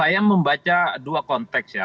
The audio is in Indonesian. saya membaca dua konteks ya